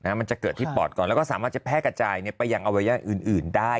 มันจะเกิดที่ปอดก่อนแล้วก็สามารถจะแพร่กระจายไปยังอวัยวะอื่นได้